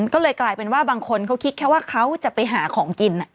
ก็เลยกลายเป็นว่าบางคนเขาคิดแค่ว่าเขาจะไปหาของกิน